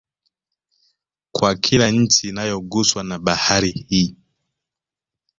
Kwa kila nchi inayoguswa na Bahari hii